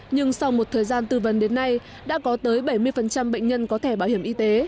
nhưng sau một thời gian tư vấn đến nay đã có tới bảy mươi bệnh nhân có thẻ bảo hiểm y tế